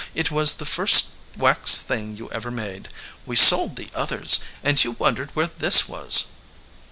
It was the first wax thing you ever made. We sold the oth ers, and you wondered where this was."